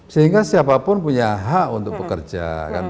sehingga siapapun punya hak untuk bekerja